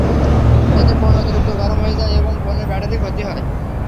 এতে ফোন অতিরিক্ত গরম হয়ে যায় এবং ফোনের ব্যাটারির ক্ষতি হয়।